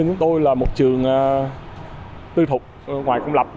chúng tôi là một trường tư thục ngoài công lập